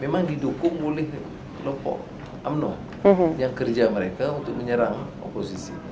memang didukung oleh kelompok umnot yang kerja mereka untuk menyerang oposisi